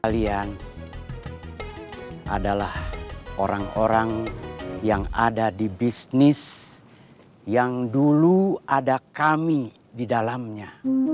kalian adalah orang orang yang ada di bisnis yang dulu ada kami di dalamnya